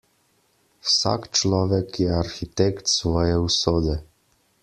Vsak človek je arhitekt svoje usode.